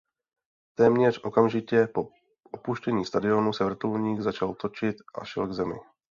Téměř okamžitě po opuštění stadionu se vrtulník začal točit a šel k zemi.